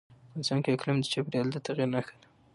افغانستان کې اقلیم د چاپېریال د تغیر نښه ده.